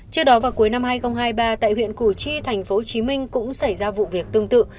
trước đó vào cuối năm hai nghìn hai mươi ba tại huyện củ chi tp hcm cũng xảy ra vụ việc tương tự